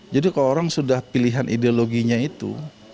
jadi kalau orang sudah pilihan ideologinya itu